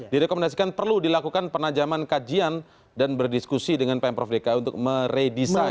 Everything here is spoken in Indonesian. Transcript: direkomendasikan perlu dilakukan penajaman kajian dan berdiskusi dengan pm prof dki untuk meredisasi